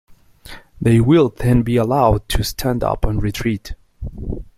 They will then be allowed to stand up and retreat.